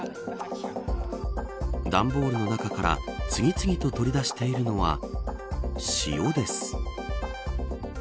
段ボールの中から次々と取り出しているのは塩です。